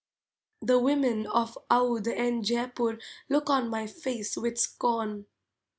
The women of Oudh and Jaipur Look on my face with scorn.